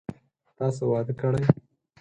تاسو واده کړئ ؟